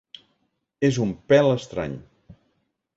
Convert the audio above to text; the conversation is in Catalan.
És un pèl estrany.